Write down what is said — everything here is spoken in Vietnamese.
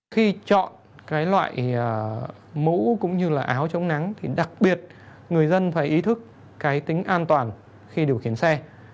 khi chọn loại mũ cũng như áo chống nắng đặc biệt người dân phải ý thức tính an toàn khi điều khiển xe